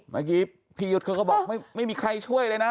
เมื่อกี้พี่ยุทธ์เขาก็บอกไม่มีใครช่วยเลยนะ